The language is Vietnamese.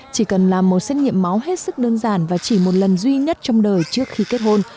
chỉ cần làm một xét nghiệm máu hết sức đơn giản và chỉ một lần duy nhất trong đời trước khi kết hôn